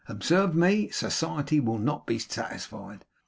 Observe me, society will not be satisfied!